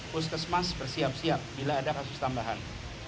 puskesmas bersiap siap bila ada kasus tambahan